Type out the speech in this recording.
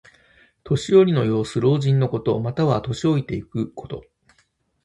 年寄りの様子。老人のこと。または、年老いていくこと。